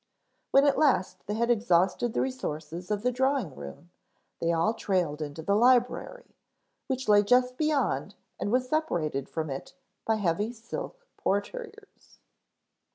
When at last they had exhausted the resources of the drawing room, they all trailed into the library which lay just beyond and was separated from it by heavy silk portieres.